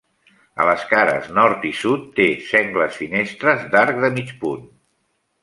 A les cares nord i sud té sengles finestres d'arc de mig punt.